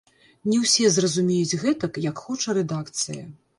Не ўсе зразумеюць гэтак, як хоча рэдакцыя.